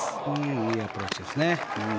いいアプローチですね。